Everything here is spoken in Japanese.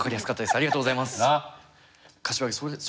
ありがとうございます。